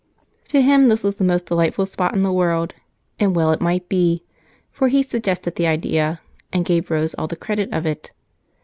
To him this was the most delightful spot in the world and well it might be, for he suggested the idea and gave Rose all the credit of it.